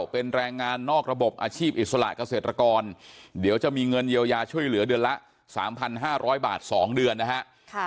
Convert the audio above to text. เป็นแรงงานนอกระบบอาชีพอิสระเกษตรกรเดี๋ยวจะมีเงินเยียวยาช่วยเหลือเดือนละ๓๕๐๐บาท๒เดือนนะฮะ